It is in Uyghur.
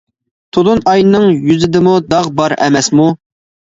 تولۇن ئاينىڭ يۈزىدىمۇ داغ بار ئەمەسمۇ!